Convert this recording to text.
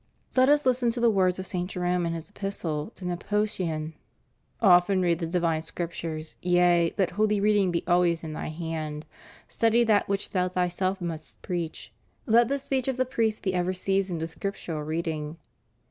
Let us listen to the words of St. Jerome, in his Epistle to Nepo tian: "Often read the divine Scriptures; yea, let holy reading be always in thy hand; study that which thou thy self must preach. ... Let the speech of the priest be ever seasoned with Scriptural reading."